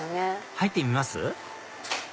入ってみます？